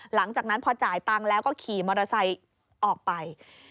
หลังจากนั้นพอจ่ายตังค์แล้วก็ขี่มอเตอร์ไซค์ออกไป